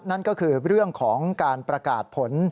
นั่นก็คือเรื่องของการประกาศผล